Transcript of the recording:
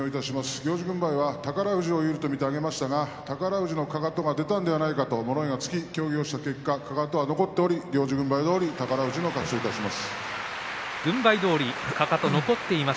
行司軍配は宝富士に有利と見て上げましたが宝富士のかかとが出たのではないかと物言いがつき協議をした結果かかとは残っており行司軍配どおり宝富士の勝ちといたします。